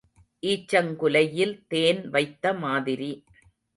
ஈச்சங் குலையில் தேன் வைத்த மாதிரி.